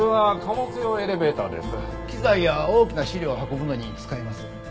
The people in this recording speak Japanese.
機材や大きな資料を運ぶのに使います。